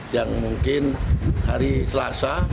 yang mungkin hari selasa